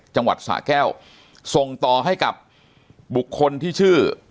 จังหวัดสะแก้วส่งต่อให้กับบุคคลที่ชื่อ